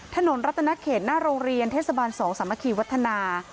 ถนนรัตนเขตหน้าโรงเรียนเทศบาล๒สามัคคีวัฒนา